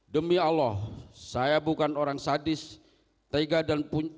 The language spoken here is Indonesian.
demi allah saya bukan orang sadis tega dan punyai